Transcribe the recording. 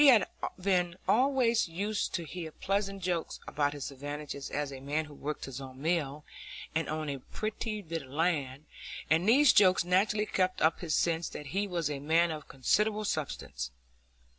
He had been always used to hear pleasant jokes about his advantages as a man who worked his own mill, and owned a pretty bit of land; and these jokes naturally kept up his sense that he was a man of considerable substance.